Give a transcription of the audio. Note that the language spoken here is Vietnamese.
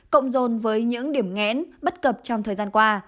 cộng dồn với những điểm ngẽn bất cập trong thời gian qua